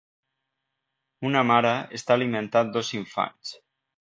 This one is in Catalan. Una mare està alimentant dos infants.